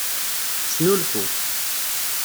Snulfu.